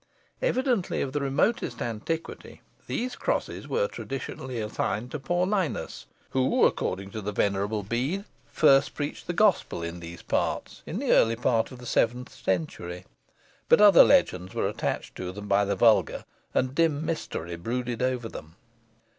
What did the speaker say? Evidently of remotest antiquity, these crosses were traditionally assigned to Paullinus, who, according to the Venerable Bede, first preached the Gospel in these parts, in the early part of the seventh century; but other legends were attached to them by the vulgar, and dim mystery brooded over them.